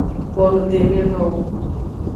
Bonudemenowo.